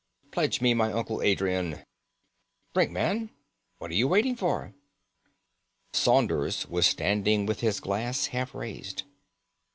Pledge me my uncle Adrian! Drink, man! What are you waiting for?" Saunders was standing with his glass half raised.